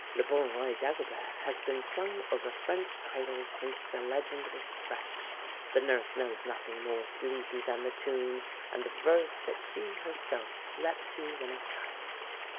Le Bon Roi Dagobert has been sung over French cradles since the legend was fresh. The nurse knows nothing more sleepy than the tune and the verse that she herself slept to when a child.